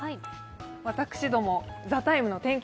私ども「ＴＨＥＴＩＭＥ，」の天気